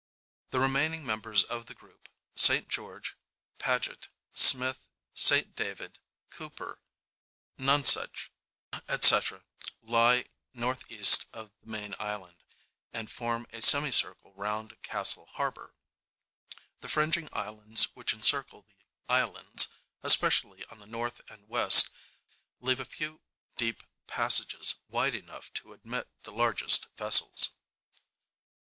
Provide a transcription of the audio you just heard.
The remaining members of the group, St George, Paget, Smith, St David, Cooper, Nonsuch, &c., lie N.E. of the Main Island, and form a semicircle round Castle Harbour. The fringing islands which encircle the islands, especially on the north and west, leave a few deep passages wide enough to admit the largest vessels.